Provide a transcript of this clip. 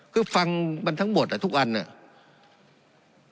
คือฟังมันทั้งหมดอ่ะทุกอันเนี่ย